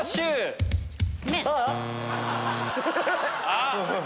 あっ！